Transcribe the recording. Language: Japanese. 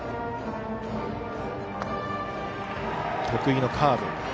得意のカーブ。